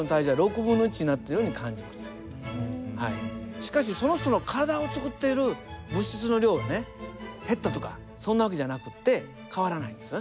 しかしその人の体をつくっている物質の量がね減ったとかそんな訳じゃなくって変わらないんですよね